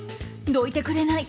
どいてくれない。